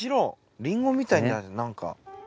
リンゴみたいななんか。